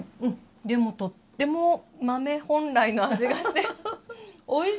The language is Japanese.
でもとっても豆本来の味がしておいしい！